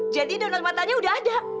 donor matanya udah ada